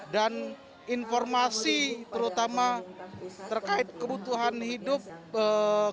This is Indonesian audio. dan informasi terutama terkait kebutuhan hidup kesehatan